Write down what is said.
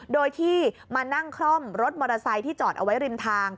โดยที่มานั่งคล่อมรถมอเตอร์ไซค์ที่จอดเอาไว้ริมทาง